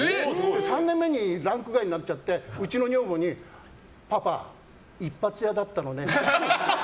３年目にランク外になっちゃってうちの女房にパパ、一発屋だったのねって。